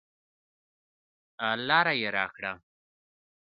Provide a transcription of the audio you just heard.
لاره یې راکړه.